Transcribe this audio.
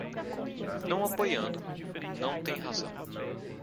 Não apoiado, não tem razão.